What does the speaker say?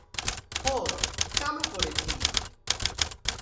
Four, চালু করেছি।